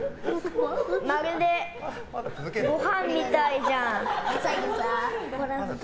まるでごはんみたいじゃん。